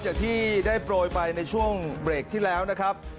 อย่างที่ได้โปรยไปในช่วงเบรกที่แล้วนะครับ